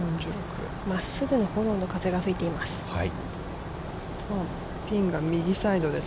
真っすぐのフォローの風が吹いています。